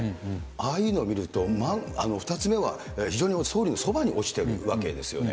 ああいうのを見ると、２つ目は非常に総理のそばに落ちているわけですよね。